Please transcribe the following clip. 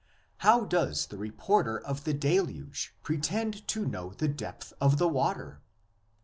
How does the reporter of the Deluge pretend to know the depth of the water?